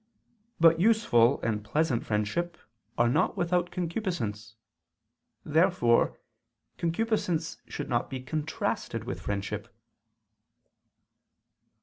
_ But useful and pleasant friendship are not without concupiscence. Therefore concupiscence should not be contrasted with friendship.